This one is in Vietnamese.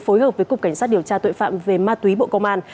phối hợp với cục cảnh sát điều tra tội phạm về ma túy bộ công an